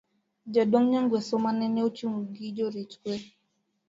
jaduong' Nyangweso manene ochung' gi jorit kwe